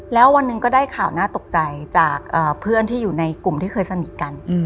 แล้ววันหนึ่งก็ได้ข่าวน่าตกใจจากเพื่อนที่อยู่ในกลุ่มที่เคยสนิทกัน